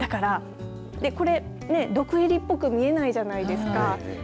これ、毒入りっぽく見えないじゃないですか。